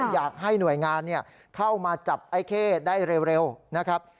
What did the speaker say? อยากให้หน่วยงานเข้ามาจับไอ้เข้ได้เร็วนะครับ